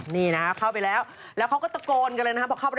นี่นะครับเข้าไปแล้วแล้วเขาก็ตะโกนกันเลยนะครับบอกเข้าไป